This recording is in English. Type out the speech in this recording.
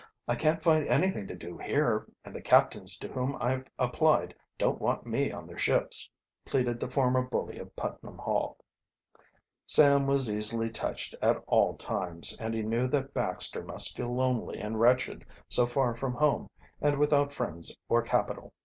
I can't find anything to do here, and the captains to whom I've applied don't want me on their ships," pleaded the former bully of Putnam Hall. Sam was easily touched at all times, and he knew that Baxter must feel lonely and wretched so far from home and without friends or capital.